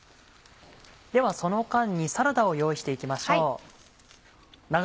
ではその間にサラダを用意して行きましょう。